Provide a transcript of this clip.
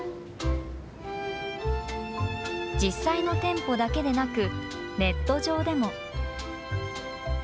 実際の店舗だけでなく、ネット上でも。